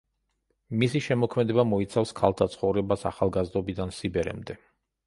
მისი შემოქმედება მოიცავს ქალთა ცხოვრებას ახალგაზრდობიდან სიბერემდე.